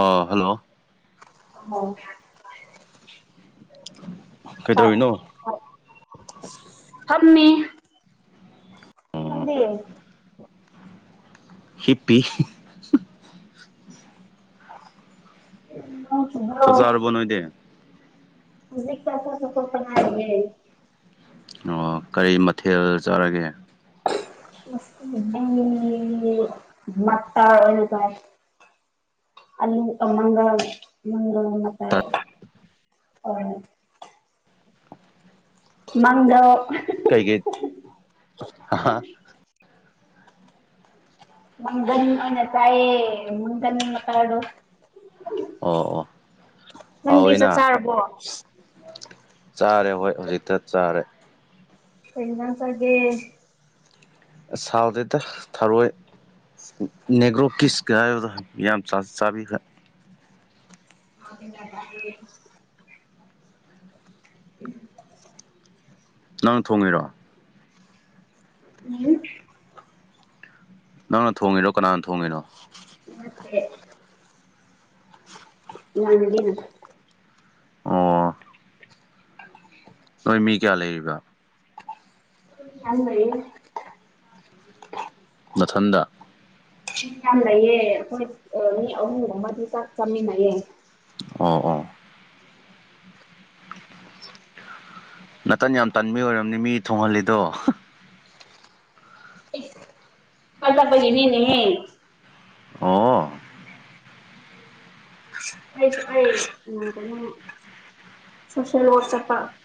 ꯑꯥ hello ꯑꯣ ꯀꯩꯗꯧꯔꯤꯅꯣ ꯍꯣꯢ ꯐꯝꯃꯤ ꯑꯣ ꯅꯪꯗꯤ ꯍꯤꯞꯄꯤ ꯏ ꯆꯨꯕ ꯆꯥꯛ [inaudible] ꯆꯥꯔꯕꯣ ꯅꯣꯏꯗꯤ ꯍꯧꯖꯤꯛ ꯆꯥꯛ ꯇꯣꯛꯄꯗ ꯉꯥꯏꯔꯤꯌꯦ ꯑꯣ ꯀꯔꯤ ꯃꯊꯦꯜ ꯆꯥꯔꯒꯦ ꯑꯝ ꯃꯇꯥꯜ ꯆꯥꯢꯌꯦ ꯑꯂꯨ ꯑꯃꯒ ꯃꯥꯡꯒꯥꯟ ꯑꯃꯒ ꯑꯣꯢꯅ ꯅꯪꯗꯣ ꯀꯩ ꯀꯩ ꯍꯥ [inaudible] ꯃꯪꯒꯟ ꯑꯣꯢꯅ ꯆꯥꯢꯌꯦ ꯃꯪꯒꯟ ꯃꯇꯥꯜꯗꯣ ꯑꯣ ꯅꯪꯗꯤ ꯆꯥꯛ ꯍꯥꯎꯋꯤꯅ ꯆꯥꯔꯕꯣ ꯆꯥꯔꯦ ꯍꯣꯏ ꯍꯧꯖꯤꯛꯇ ꯆꯥꯔꯦ ꯀꯩ ꯑꯦꯟꯁꯥꯡ ꯆꯥꯒꯦ꯫ ꯁꯥꯎꯗꯦꯇ ꯊꯔꯣꯏ ꯅꯦꯒ꯭ꯔꯣ ꯀꯤꯁꯀ ꯍꯥꯏꯕꯗꯣ ꯌꯥꯝ ꯆ ꯆꯥꯕꯤꯒ꯭ꯔꯦ ꯑ [inaudible] ꯎꯝ ꯅꯪ ꯊꯣꯡꯉꯤꯔꯣ ꯎꯝ ꯅꯪꯅ ꯊꯣꯡꯉꯤꯔꯣ ꯀꯅꯥꯅ ꯊꯣꯡꯉꯤꯅꯣ ꯃꯦ ꯏꯃꯥꯟꯅꯕꯤꯅꯥ ꯑꯣ [inaudible] ꯅꯣꯏ ꯃꯤ ꯀꯌꯥ ꯂꯩꯔꯤꯕ ꯆ [inaudible] ꯅꯊꯥꯟꯇ ꯃꯤ ꯌꯥꯝ ꯂꯩꯌꯦ ꯑꯩꯈꯣꯏ ꯃꯤ ꯑꯍꯨꯝꯒꯨꯝꯕꯗꯤ ꯆꯥꯛ ꯆꯥꯃꯤꯟꯅꯩꯌꯦ ꯑꯣ ꯑꯣ ꯅꯥꯇꯟ ꯌꯥꯝ ꯇꯟꯕꯩ ꯑꯣꯏꯔꯝꯅꯤ ꯃꯤ ꯊꯣꯡꯍꯜꯂꯤꯗꯣ ꯍꯥ ꯏꯁ ꯑꯖꯄꯅꯤꯅꯦꯍꯦ ꯑꯣ [unintelligible]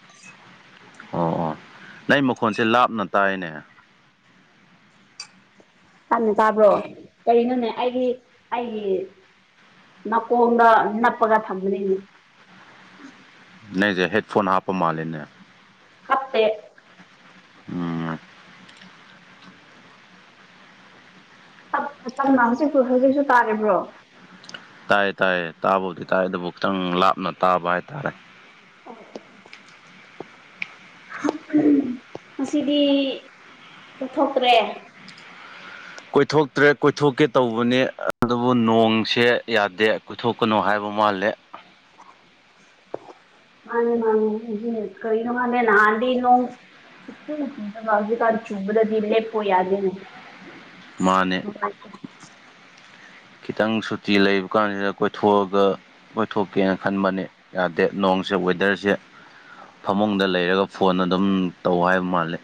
ꯑꯣ ꯑꯣ ꯅꯪ ꯃꯈꯣꯟꯁꯦ ꯂꯥꯞꯅ ꯇꯥꯏꯅꯦ ꯊꯥꯞꯅ ꯇꯥꯕ꯭ꯔꯣ ꯀꯩꯅꯣꯅꯦ ꯑꯩꯒꯤ ꯑꯩꯒꯤ ꯅꯥꯀꯣꯡꯗ ꯅꯞꯄꯒ ꯊꯝꯕꯅꯤꯅꯦ ꯅꯩꯖꯦ ꯍꯦꯠꯐꯣꯟ ꯍꯥꯞꯄ ꯃꯥꯜꯂꯤꯅꯦ ꯍꯥꯞꯄꯦ ꯎꯝ ꯇꯥꯞꯅ ꯇꯥꯞꯅ ꯍꯧꯖꯤꯛ ꯍꯧꯖꯤꯛꯁꯨ ꯇꯥꯔꯤꯕ꯭ꯔꯣ ꯇꯥꯏ ꯇꯥꯏ ꯇꯥꯕꯨꯗꯤ ꯇꯥꯏ ꯑꯗꯨꯕꯨ ꯈꯤꯇꯪ ꯂꯥꯞꯅ ꯇꯥꯕ ꯍꯥꯏꯇꯥꯔꯦ ꯎꯝ ꯉꯁꯤꯗꯤ ꯂꯠꯊꯣꯛꯇ꯭ꯔꯦ ꯀꯣꯏꯊꯣꯛꯇ꯭ꯔꯦ ꯀꯣꯏꯊꯣꯛꯇ꯭ꯔꯦ ꯇꯧꯕꯅꯤ ꯑꯗꯨꯕꯨ ꯅꯣꯡꯁꯦ ꯌꯥꯗꯦ ꯄꯨꯊꯣꯛꯀꯅꯨ ꯍꯥꯏꯕ ꯃꯥꯜꯂꯦ ꯃꯥꯅꯤ ꯃꯥꯅꯦ ꯀꯔꯤꯅꯣ ꯈꯪꯗꯦ ꯅꯍꯥꯟꯗꯤ ꯅꯣꯡ ꯁꯨꯛꯆꯨ ꯆꯨꯗꯕ ꯍꯧꯖꯤꯛꯀꯥꯟ ꯆꯨꯕꯗꯗꯤ ꯂꯦꯞꯄꯣ ꯌꯥꯗꯦꯅꯦ ꯃꯥꯅꯦ ꯅꯨꯡꯉꯥꯏꯇꯦ ꯈꯤꯇꯪ ꯁꯨꯇꯤ ꯂꯩꯕ ꯀꯥꯟꯁꯤꯗ ꯀꯣꯏꯊꯣꯛꯑꯒ ꯀꯣꯏꯊꯣꯛꯀꯦꯅ ꯈꯟꯕꯅꯦ ꯌꯥꯗꯦ ꯅꯣꯡꯁꯦ ꯋꯦꯗꯔꯁꯦ ꯐꯃꯨꯡꯗ ꯂꯩꯔꯒ ꯐꯣꯟ ꯑꯗꯨꯝ ꯇꯧ ꯍꯥꯏꯕ ꯃꯥꯜꯂꯦ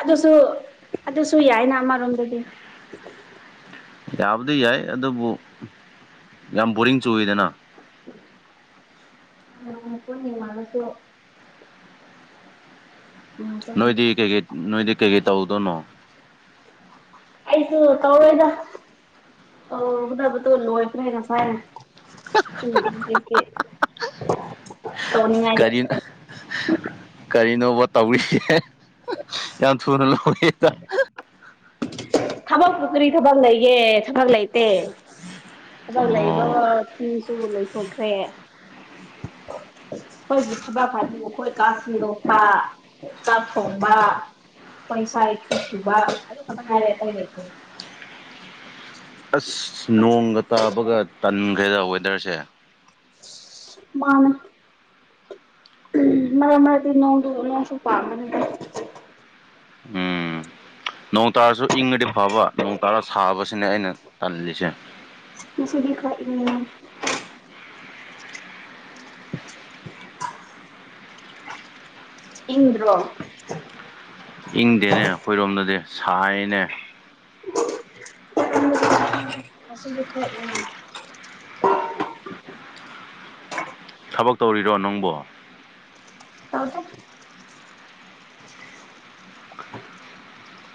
ꯑꯗꯨꯁꯨ ꯑꯗꯨꯁꯨ ꯌꯥꯏꯅ ꯑꯃꯔꯣꯝꯗꯗꯤ ꯌꯥꯕꯨꯗꯤ ꯌꯥꯏ ꯑꯗꯨꯕꯨ ꯌꯥꯝ ꯕꯣꯔꯤꯡ ꯆꯨꯏꯗꯅ [unintelligible] ꯎꯝ ꯅꯣꯏꯗꯤ ꯀꯩꯀꯩ ꯅꯣꯏꯗꯤ ꯀꯩꯀꯩ ꯇꯧꯗꯣꯅꯣ ꯑꯩꯁꯨ ꯇꯧꫪꯣꯏꯗ ꯇꯩꯒꯗꯕꯗꯨ ꯂꯣꯏꯕꯅ ꯍꯦꯟꯅ ꯐꯩ [unintelligible] ꯀꯔꯤꯟ ꯑ ꯀꯔꯤꯅꯣꯕ ꯇꯧꯔꯤꯁꯦ ꯍꯦ ꯍ ꯌꯥꯝ ꯊꯨꯅ ꯂꯧꯏꯗ ꯊꯕꯛꯄꯨ ꯀꯔꯤ ꯊꯕꯛ ꯂꯩꯌꯦ ꯊꯕꯛ ꯂꯩꯇꯦ ꯊꯕꯛ ꯑꯣ ꯂꯩꯕꯒ ꯐꯤꯁꯨꯕ ꯂꯣꯏꯊꯣꯛꯈ꯭ꯔꯦ [inaudible] ꯈꯣꯏꯒꯤ ꯊꯕꯛ ꯍꯥꯏꯕꯨ ꯑꯈꯣꯏ ꯀꯥ ꯁꯦꯡꯗꯣꯛꯄꯥ ꯆꯥꯛ ꯊꯣꯡꯕꯥ ꯄꯩꯁꯥꯏ ꯊꯕꯛ ꯁꯨꯕꯥ ꯑꯗꯨ ꯈꯛꯇꯥ ꯉꯥꯏꯔꯦ ꯑꯇꯩ ꯂꯩꯇꯦ ꯑꯁ ꯅꯣꯡꯒ ꯇꯥꯕꯒ ꯇꯟꯈ꯭ꯔꯦꯗ ꯋꯦꯗꯔꯁꯦ ꯃꯥꯅꯦ ꯑꯨꯝ ꯃꯥ ꯃꯗꯤ ꯅꯣꯡꯗꯨ ꯅꯣꯡꯁꯨ ꯄꯥꯝꯕꯅꯦ ꯎꯝ ꯅꯣꯡ ꯇꯥꯔꯁꯨ ꯏꯪꯉꯗꯤ ꯐꯕ ꯅꯣꯡ ꯇꯥꯔ ꯁꯥꯕꯁꯤꯅꯦ ꯑꯩꯅ ꯇꯜꯂꯤꯁꯦ ꯉꯁꯤꯗꯤ ꯈ ꯏꯪꯉꯦ [inaudible] ꯏꯪꯗ꯭ꯔꯣ ꯏꯪꯗꯦꯅꯦ ꯑꯩꯈꯣꯏꯔꯣꯝꯗꯗꯤ ꯁꯥꯏꯅꯦ ꯉꯁꯤꯗꯤ ꯀꯥ ꯏꯪꯉꯤ ꯊꯕꯛ ꯇꯧꯔꯤꯔꯣ ꯅꯪꯕꯣ ꯇꯗꯨꯛ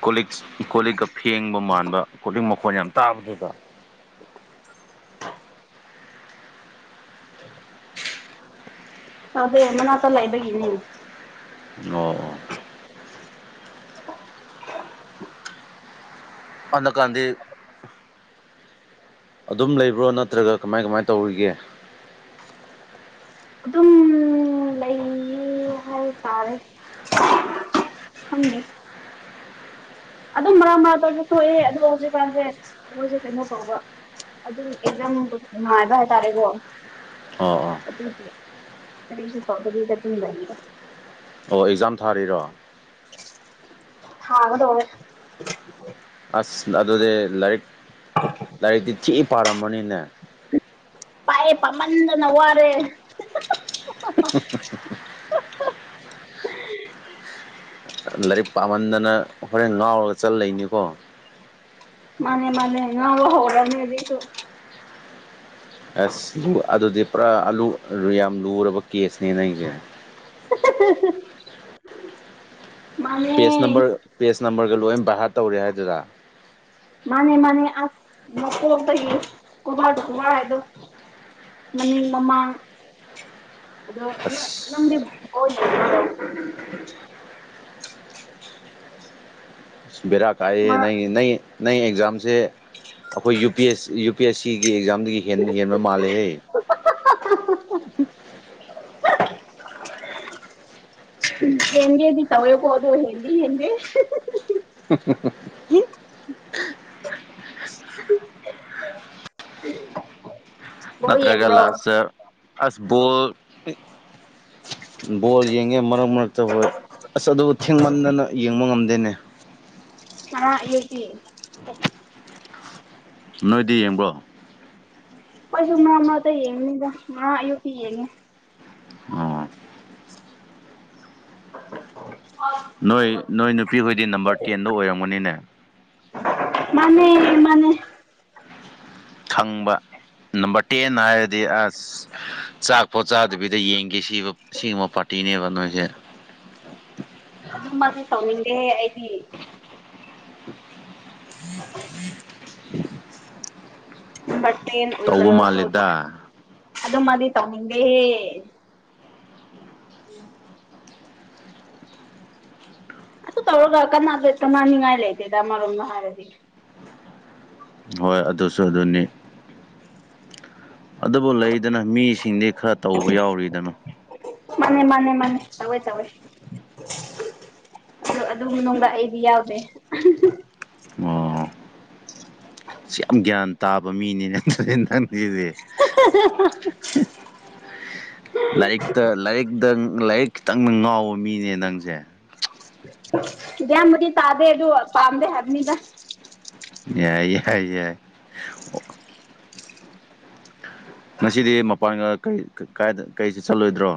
ꯀꯣ ꯂꯤꯛ ꯀꯣ ꯂꯤꯛꯀ ꯐꯦꯡꯕ ꯃꯥꯟꯕ ꯀꯣꯂꯤꯛ ꯃꯈꯣꯟ ꯌꯥꯝ ꯇꯥꯕꯗꯨꯗ ꯄꯕꯦ ꯃꯅꯥꯛꯇ ꯂꯩꯥꯏꯕꯒꯤꯅꯦ ꯑꯣ ꯍꯟꯗꯀꯥꯟꯗꯤ ꯑꯗꯨꯝ ꯂꯩꯕ꯭ꯔꯣ ꯅꯠꯇ꯭ꯔꯒ ꯀꯃꯥꯏ ꯀꯃꯥꯏꯅ ꯇꯧꯔꯤꯒꯦ ꯑꯗꯨꯝ ꯂꯩꯌꯦ ꯍꯥꯏꯦ ꯇꯥꯔꯦ ꯊꯃꯦ ꯑꯗꯨꯝ ꯃꯔꯥ ꯃꯔꯥ ꯇꯧꯔꯁꯨ ꯊꯣꯛꯑꯦ ꯑꯗꯣ ꯍꯧꯖꯤꯛꯀꯥꯟꯁꯦ ꯑꯩꯈꯣꯏꯁꯦ ꯀꯩꯅꯣ ꯇꯧꯕ ꯑꯗꯨꯝ ꯑꯦꯝ ꯅꯨꯡ ꯉꯉꯥꯏꯕ ꯍꯥꯏꯇꯥꯔꯦꯀꯣ ꯑꯣ ꯑꯣ ꯑꯗꯨ ꯀꯔꯤꯁ ꯐꯥꯎꯒꯗꯤꯒ ꯑꯗꯨꯗꯥꯏꯗ ꯑꯣ ꯑꯦꯛꯖꯥꯝ ꯊꯥꯔꯤꯔꯣ ꯊꯥꯒꯗꯧꯋꯦ ꯑꯁ ꯑꯗꯨꯗꯤ ꯂꯥꯏꯔꯤꯛ [inaudible] ꯂꯥꯏꯔꯤꯛꯇꯤ ꯊꯤꯏ ꯄꯥꯔꯝꯃꯅꯤꯅꯦ ꯄꯥꯏꯌꯦ ꯄꯥꯝꯃꯟꯗꯅ ꯋꯥꯔꯦ ꯂꯥꯏꯔꯤꯛ ꯄꯥꯝꯍꯟꯗꯅ ꯍꯣꯔꯦꯟ ꯉꯥꯎꯔꯒ ꯆꯠꯂꯩꯅꯤꯀꯣ ꯃꯅꯦ ꯃꯥꯅꯦ ꯉꯧꯔ ꯍꯧꯔꯝꯅꯤ ꯍꯧꯖꯤꯛꯇꯨ ꯑꯁ ꯗꯨ ꯑꯗꯨꯗꯤ ꯄꯨꯔꯥ ꯑꯂꯨ ꯔꯤꯌꯥꯝ ꯂꯨꯔꯕ ꯀꯦꯁꯅꯦ ꯅꯪꯖꯦ [unintelligible] ꯃꯥꯅꯦ ꯄꯦꯖ ꯅꯝꯕꯔ ꯄꯦꯖ ꯅꯝꯕꯔꯒ ꯂꯣꯏ ꯕꯥꯢ ꯍꯥꯔꯗ ꯇꯧꯔꯦ ꯍꯥꯏꯗꯨꯔ ꯃꯅꯦ ꯃꯅꯦ ꯑ ꯅꯄꯗ ꯀꯣꯕꯥꯗ ꯀꯣꯕꯥꯔ ꯍꯥꯏꯗ ꯃꯅꯤꯡ ꯃꯃꯥꯡ ꯑꯗꯨꯣ ꯅꯪꯗꯤ ꯑꯁ ꯕꯦꯔꯥ ꯀꯥꯏꯌꯦ ꯅꯪ ꯅ ꯅꯪ ꯑꯦꯛꯖꯥꯝꯁꯦ ꯑꯩꯈꯣꯏ U U P S U P S ꯁꯤꯒꯤ ꯑꯦꯛꯖꯥꯝꯗꯒꯤ ꯍꯦꯟꯟꯅ ꯍꯦꯟꯕ ꯃꯥꯜꯂꯦꯍꯦ [inaudible] ꯍꯡꯦꯗꯤ ꯇꯋꯕꯣ ꯑꯗꯨꯣ ꯍꯗꯤ ꯍꯗꯤꯦ [inaudible] ꯎꯝ ꯅꯠꯇ꯭ꯔꯒꯂꯥꯁ ꯑꯁ ꯣꯜꯣꯜ ꯌꯦꯡꯉꯦ ꯃꯔꯛ ꯃꯔꯛꯇ ꯍꯣꯏ ꯑꯁ ꯑꯗꯨ ꯊꯦꯡꯃꯟꯗꯅ ꯌꯦꯡꯕ ꯉꯝꯗꯦꯅꯦ ꯑ ꯌꯦꯁꯤ ꯅꯣꯏꯗꯤ ꯌꯦꯡꯕ꯭ꯔꯣ ꯑꯩꯁꯨ ꯃꯔꯛ ꯃꯔꯛꯇ ꯌꯦꯡꯅꯤꯗ ꯉꯥ ꯑꯌꯨꯛꯇꯤ ꯌꯦꯡꯉꯦ꯫ ꯑꯣ [inaudible] ꯅꯣꯏ ꯅꯣꯏ ꯅꯨꯄꯤꯍꯣꯏꯗꯤ ꯅꯝꯕꯔ ꯇꯦꯟꯗꯣ ꯑꯣꯏꯔꯝꯒꯅꯤꯅꯦ꯫ ꯃꯥꯅꯦ ꯃꯥꯅꯦ꯫ ꯈꯪꯕ ꯅꯝꯕꯔ ꯇꯦꯟ ꯍꯥꯏꯔꯗꯤ꯫ ꯆꯥꯛ ꯄꯣꯠ ꯆꯥꯗꯕꯤꯗ ꯌꯦꯡꯒꯦ ꯁꯤ ꯁꯤꯒꯨꯝꯕ ꯄꯥꯔꯇꯤꯅꯦꯕ ꯅꯣꯏꯁꯦ꯫ ꯑꯗꯨꯝꯕꯗꯤ ꯇꯧꯅꯤꯡꯗꯦ ꯑꯩꯗꯤ꯫ [inaudible] ꯇꯧꯕ ꯃꯥꯜꯂꯦꯗ ꯑꯗꯨꯗ ꯃꯥꯗꯤ ꯇꯅꯤꯡꯗꯦ ꯑ ꯇꯧꯔꯒ ꯀꯅꯥ ꯀꯃꯅꯤꯡꯉꯥꯏ ꯂꯩꯇꯦꯗ ꯑꯃꯔꯣꯝꯗ ꯍꯥꯏꯔꯗꯤ ꯍꯣꯏ ꯑꯗꯨꯁꯨ ꯑꯗꯨꯅꯤ ꯑꯗꯨꯕꯨ ꯂꯩꯗꯅ ꯃꯤꯁꯤꯡꯗꯤ ꯈꯔ ꯇꯧꯕ ꯌꯥꯎꯔꯤꯗꯅꯣ ꯃꯥꯅꯦ ꯃꯥꯅꯦ ꯃꯥꯅꯦ ꯇꯋꯦ ꯇꯋꯦ ꯑ ꯑꯗꯨꯝ ꯅꯨꯡꯗ ꯑꯩꯗꯤ ꯌꯥꯎꯗꯦ ꯑꯣ ꯁꯤ ꯌꯥꯝ ꯒ꯭ꯌꯥꯟ ꯇꯥꯕ ꯃꯤꯅꯤꯅꯦ ꯅꯪꯁꯤꯁꯦ ꯂꯥꯏꯔꯤꯛꯇ ꯂꯥꯏꯔꯤꯛꯇ ꯂꯥꯏꯔꯤꯛ ꯈꯤꯇꯪ ꯉꯥꯎꯕ ꯃꯤꯅꯦ ꯅꯪꯁꯦ ꯗꯤꯌꯥꯝꯕꯨꯗꯤ ꯇꯥꯗꯦ ꯑꯗꯨ ꯄꯥꯝꯗꯦ ꯍꯥꯏꯕꯅꯤꯗ꯫ ꯌꯥꯏ ꯌꯥꯏ ꯌꯥꯏ꯫ ꯉꯁꯤꯗꯤ ꯃꯄꯥꯟꯒ ꯀꯔꯤ ꯀꯥꯏꯗ ꯆꯠꯂꯣꯏꯗ꯭ꯔꯣ꯫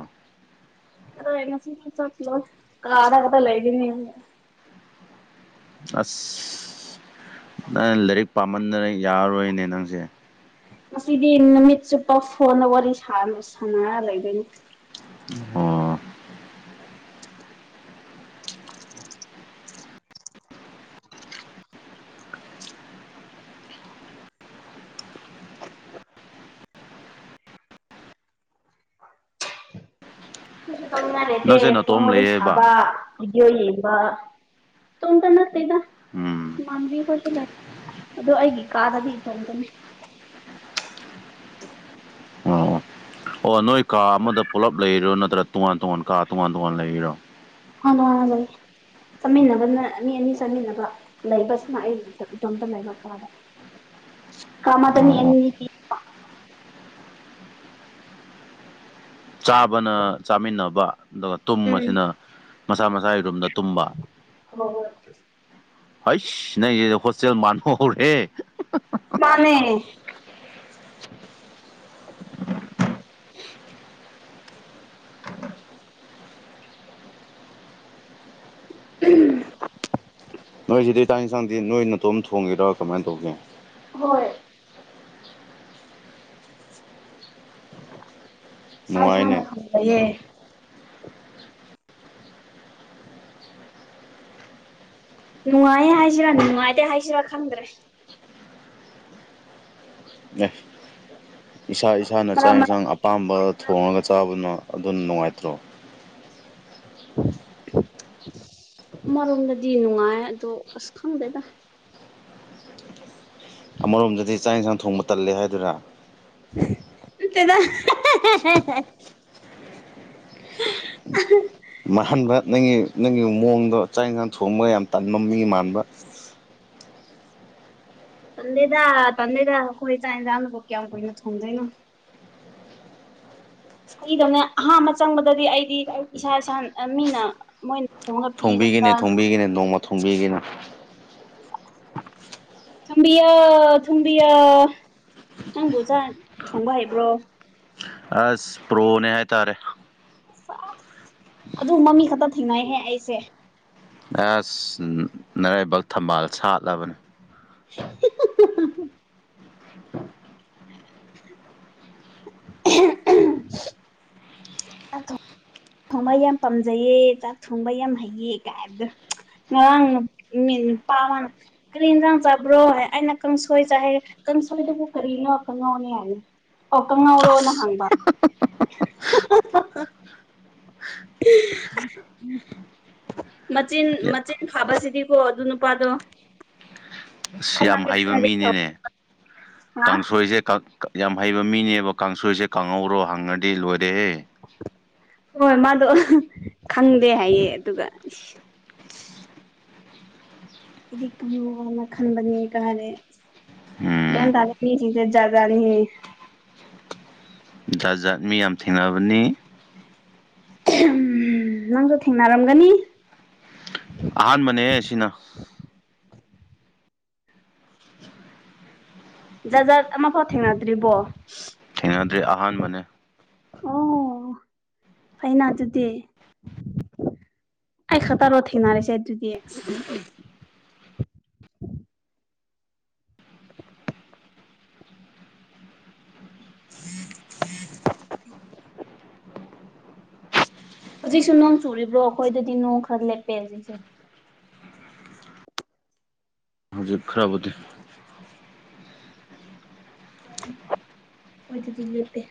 ꯁꯤ ꯆꯠꯂꯣꯏ ꯀꯥꯗ ꯀꯗ ꯂꯩꯒꯅꯤ꯫ ꯑꯁ ꯅꯪ ꯂꯥꯏꯔꯤꯛ ꯄꯥꯝꯃꯟꯗꯅ ꯌꯥꯔꯣꯏꯅꯦ ꯅꯪꯁꯦ꯫ ꯉꯁꯤꯗꯤ ꯅꯨꯃꯤꯠ ꯆꯨꯞꯄ ꯐꯣꯟꯅ ꯋꯥꯔꯤ ꯁꯥꯔ ꯁꯥꯟꯅꯔ ꯂꯩꯗꯣꯏꯅꯦ꯫ ꯑꯣ꯫ ꯇꯧꯅꯤꯉꯥꯢ ꯂꯩꯇꯦ ꯅꯪꯁꯦ ꯐꯣꯟ ꯅꯇꯣꯝ ꯋꯥꯔꯤ ꯁꯕ ꯂꯩꯌꯦꯕ ꯕꯤꯗꯤꯑꯣ ꯌꯦꯡꯕ꯫ ꯏꯇꯣꯝꯇ ꯅꯠꯇꯦꯗ ꯎꯝ ꯃꯥꯟꯕꯤꯈꯣꯏꯁꯨ ꯂꯩ ꯑꯗ ꯑꯩꯒꯤ ꯀꯥꯗꯗꯤ ꯏꯇꯣꯝꯗꯅꯤ ꯑꯣ ꯑꯣ ꯅꯣꯏ ꯀꯥ ꯑꯃꯗ ꯄꯨꯂꯞ ꯂꯩꯔꯤꯔꯣ ꯅꯠꯇ꯭ꯔꯒ ꯇꯣꯉꯥꯟ ꯇꯣꯉꯥꯟ ꯀꯥ ꯇꯣꯉꯥꯟ ꯇꯣꯉꯥꯟ ꯂꯩꯔꯤꯔꯣ꯫ ꯍꯅ ꯂꯩ꯫ ꯆꯥꯃꯤꯟꯅꯕꯅ ꯃꯤ ꯑꯅꯤ ꯆꯥꯃꯤꯟꯅꯕ ꯂꯩꯕꯁꯤꯅ ꯑꯩ ꯏꯇꯣꯝꯇ ꯂꯩꯕ ꯀꯥꯗ꯫ [inaudible] ꯀ ꯑꯃꯗ ꯃꯤ ꯑꯣ ꯑꯣ ꯑꯅꯤꯒꯤ꯫ ꯆꯥꯕꯅ ꯆꯥꯃꯤꯟꯅꯕ ꯑꯗꯨꯒ ꯎꯝ ꯇꯨꯝꯕꯁꯤꯅ ꯃꯁꯥ ꯃꯁꯥꯒꯤ ꯔꯨꯝꯗ ꯇꯨꯝꯕ꯫ ꯍꯣꯏ꯫ ꯍꯩꯁ ꯅꯪꯁꯤꯗꯤ ꯍꯣꯁꯇꯦꯜ ꯃꯥꯟꯕꯍꯧꯔꯦ꯫ ꯃꯥꯅꯦ꯫ ꯎꯝ꯫ ꯅꯣꯏꯁꯤꯗꯤ ꯆꯥꯛ ꯌꯦꯟꯁꯥꯡꯗꯤ ꯅꯣꯏ ꯅꯠꯇꯣꯝ ꯊꯣꯡꯒꯦꯔꯣ ꯀꯃꯥꯏꯅ ꯇꯧꯒꯦ꯫ ꯍꯣꯏ꯫ ꯏꯁꯥ ꯏꯁꯥꯅ ꯅꯨꯡꯉꯥꯏꯅꯦ ꯊꯣꯡꯖꯩꯌꯦ꯫ ꯅꯨꯡꯉꯥꯏꯌꯦ ꯍꯥꯏꯁꯤꯔꯥ ꯅꯨꯡꯉꯥꯏꯇꯦ ꯍꯥꯏꯁꯤꯔꯥ ꯈꯪꯗ꯭ꯔꯦ꯫ ꯑꯦ ꯏꯁꯥ ꯏꯁꯥꯅ ꯆꯥꯛ ꯃꯔꯛ ꯃꯔꯛ ꯌꯦꯟꯁꯥꯡ꯫ ꯑꯄꯥꯝꯕ ꯊꯣꯡꯉꯒ ꯆꯥꯕꯗꯨꯅ ꯑꯗꯨꯅ ꯅꯨꯡꯉꯥꯏꯇ꯭ꯔꯣ꯫ ꯑꯃꯔꯣꯝꯗꯗꯤ ꯅꯨꯡꯉꯥꯏ ꯑꯗꯣ ꯑꯁ ꯈꯪꯗꯦꯗ꯫ ꯑꯃꯔꯣꯝꯗꯗꯤ ꯆꯥꯛ ꯌꯦꯟꯁꯥꯡ ꯊꯣꯡꯕ ꯇꯜꯂꯦ ꯍꯥꯏꯗꯨꯔ꯫ ꯅꯥꯠꯇꯦꯗ ꯍꯦ ꯍꯦ ꯍꯦ꯫ ꯑꯍꯥ꯫ ꯃꯍꯥꯟꯕ ꯅꯪꯒꯤ ꯅꯪꯒꯤ ꯃꯑꯣꯡꯗꯣ ꯆꯥꯛ ꯏꯟꯁꯥꯡ ꯊꯣꯡꯕꯒ ꯌꯥꯝ ꯇꯟꯕ ꯃꯤ ꯃꯥꯟꯕ꯫ [inaudible] ꯇꯟꯗꯦꯗ ꯇꯟꯗꯦꯗ ꯑꯩꯈꯣꯏ ꯆꯥꯛ ꯏꯟꯖꯥꯡꯕꯨ ꯀꯌꯥꯝ ꯀꯨꯏꯅ ꯊꯣꯡꯗꯣꯏꯅꯣ꯫ ꯃꯤꯗꯧꯅꯦ ꯑꯍꯥꯟꯕ ꯆꯪꯕꯗꯗꯤ ꯑꯩꯗꯤ ꯏꯁꯥ ꯏꯁꯥ ꯃꯤꯅ ꯃꯣꯏ꯫ ꯊꯣꯡꯕꯤꯒꯤꯅꯦ ꯊꯣꯡꯕꯤꯒꯤꯅꯦ ꯅꯣꯡꯃ ꯊꯣꯡꯕꯤꯒꯤꯅꯦ꯫ ꯊꯨꯝꯕꯤꯌꯣ ꯊꯨꯝꯕꯤꯌꯣ ꯅꯪꯕꯨ ꯆꯥ ꯊꯣꯡꯕ ꯍꯩꯕ꯭ꯔꯣ꯫ ꯑꯁ ꯄ꯭ꯔꯣꯅꯦ ꯍꯥꯏꯇꯥꯔꯦ ꯆꯁ ꯑꯗꯨꯝꯕꯥ ꯃꯤ ꯈꯛꯇ ꯊꯦꯡꯅꯩꯍꯦ ꯑꯩꯁꯦ ꯑꯁ ꯅꯔꯩꯕꯛ ꯊꯝꯕꯥꯜ ꯁꯥꯠꯂꯕꯅꯤ [inaudible] ꯆꯥꯛ ꯊꯣꯡꯕ ꯌꯥꯝ ꯄꯥꯝꯖꯩꯌꯦ ꯆꯥꯛ ꯊꯣꯡꯕ ꯌꯥꯝ ꯍꯩꯌꯦ ꯀꯥꯏꯕꯗ ꯉꯔꯡ ꯅꯨꯄꯥ ꯑꯃꯥ ꯀꯔꯤ ꯏꯟꯁꯥꯡ ꯆꯥꯕ꯭ꯔꯣ ꯑꯩꯅ ꯀꯥꯡꯁꯣꯏ ꯆꯥꯏꯍꯦ ꯀꯥꯡꯁꯣꯏꯗꯨꯕꯨ ꯀꯔꯤꯅꯣ ꯀꯪꯍꯧꯅꯤ ꯍꯥꯏꯅꯤ ꯑꯣ ꯀꯪꯉꯥꯎꯔꯣꯅ ꯍꯪꯕꯥ [inaudible] ꯃꯆꯤꯟ ꯃꯆꯤꯟ ꯐꯥꯕꯁꯤꯗꯤꯀꯣ ꯑꯗꯨ ꯅꯨꯄꯥꯗꯣ꯫ ꯑꯁ ꯌꯥꯝ ꯈꯠꯅꯒꯦ ꯍꯩꯕ ꯈꯠꯅꯒꯦ ꯃꯤꯅꯤꯅꯦ ꯍꯥ ꯀꯥꯡꯁꯣꯏꯁꯦ꯫ ꯌꯥꯝ ꯍꯩꯕ ꯃꯤꯅꯦꯕ ꯀꯥꯡꯁꯣꯏꯁꯦ ꯀꯥꯡꯍꯧꯔꯣ ꯍꯪꯉꯗꯤ ꯂꯣꯏꯔꯦꯍꯦ꯫ ꯍꯣꯏ ꯃꯥꯗꯣ ꯈꯪꯗꯦ ꯍꯥꯏꯌꯦ ꯑꯗꯨꯒ꯫ ꯑꯩꯗꯤ ꯈꯨꯝꯉꯣꯅ ꯈꯟꯕꯅꯤ ꯀꯥꯔꯦ꯫ ꯌꯦꯟ ꯎꯝ ꯇꯗ ꯃꯤ ꯁꯤꯡ ꯁꯦ ꯖꯥꯠ ꯖꯥꯠ ꯅꯤ ꯖꯠ ꯖꯥꯠ ꯃꯤ ꯌꯥꯝ ꯊꯦꯡꯅꯕꯅꯤ ꯅꯪꯁꯨ ꯊꯦꯡꯅꯔꯝꯒꯅꯤ ꯑꯍꯥꯟꯕꯅꯦꯍ ꯑꯁꯤꯅ ꯖꯥ ꯖꯥꯠ ꯑꯃꯐꯥꯎ ꯊꯦꯡꯅꯗ꯭ꯔꯤꯕꯣ ꯊꯦꯡꯅꯗ꯭ꯔꯦ ꯑꯍꯥꯟꯕꯅꯦ ꯑꯣ ꯇꯩꯅ ꯑꯗꯨꯗꯤ ꯑꯩ ꯈꯛꯇꯔꯣ ꯊꯦꯡꯅꯔꯤꯁꯦ ꯑꯗꯨꯗꯤ ꯍꯧꯖꯤꯛꯁꯨ ꯅꯣꯡ ꯆꯨꯔꯤꯕ꯭ꯔꯣ ꯑꯩꯈꯣꯏꯗꯗꯤ ꯅꯣꯡ ꯈꯔ ꯂꯦꯞꯄꯦ ꯍꯧꯖꯤꯛꯁꯦ ꯍꯧꯖꯤꯛ ꯈꯔꯕꯨꯗꯤ ꯀꯣꯏꯗꯗꯤꯂꯦꯇꯦ